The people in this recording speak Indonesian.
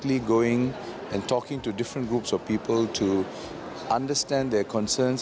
dan berbicara dengan berbagai grup orang untuk memahami masalah mereka